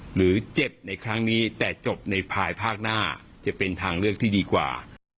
หรือเจ็บในครั้งนี้แต่จบในภายภาคหน้าจะเป็นทางเลือกที่ดีกว่า